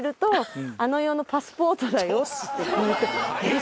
えっ？